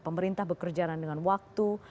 pemerintah bekerja dengan waktu